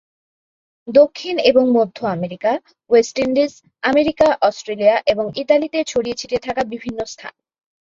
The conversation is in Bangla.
দক্ষিণ এবং মধ্য America, West Indies, America, Australia এবং ইতালিতে ছড়িয়ে ছিটিয়ে থাকা বিভিন্ন স্থান।